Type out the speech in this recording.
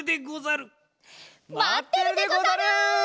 まってるでござる！